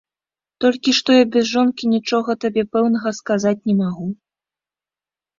Толькі што я без жонкі нічога табе пэўнага сказаць не магу.